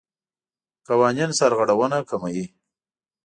قوانین سرغړونه کموي.